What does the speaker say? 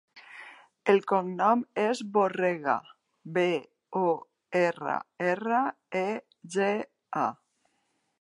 El cognom és Borrega: be, o, erra, erra, e, ge, a.